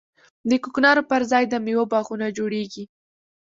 د کوکنارو پر ځای د میوو باغونه جوړیږي.